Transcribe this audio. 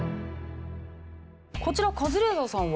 こちらカズレーザーさんは？